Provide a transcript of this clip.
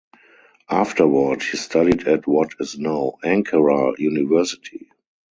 Afterward he studied at what is now Ankara University.